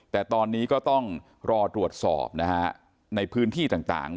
แต่ตอนนี้ก็ต้องรอตรวจสอบนะฮะในพื้นที่ต่าง